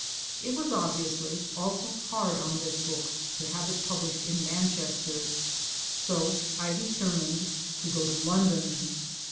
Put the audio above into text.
It was obviously also hard on this book to have it published in Manchester. So I deter mined to go to London.